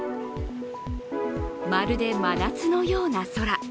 まるで真夏のような空。